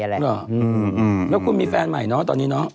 แล้วคุณมีแฟนใหม่เนาะตอนนี้เนาะ